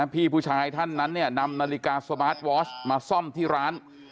พี่ผู้ชายท่านนั้นนำนาฬิกาสมาร์ทวอชมาซ่อมที่ร้าน